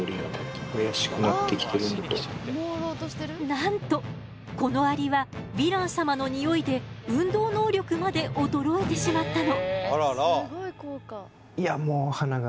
なんとこのアリはヴィラン様のニオイで運動能力まで衰えてしまったの。